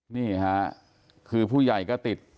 นี่ค่ะคือผู้ใหญ่ก็ติด